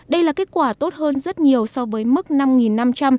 đây là kết quả tốt hơn rất nhiều so với mức năm năm trăm linh